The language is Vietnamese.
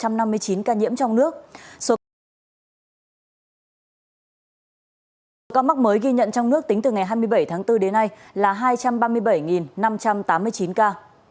trong mắc mới ghi nhận trong nước tính từ ngày hai mươi bảy tháng bốn đến nay là hai trăm ba mươi bảy năm trăm tám mươi chín ca